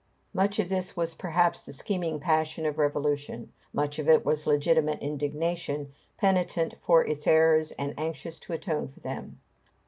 Much of this was perhaps the scheming passion of revolution; much of it was legitimate indignation, penitent for its errors and anxious to atone for them.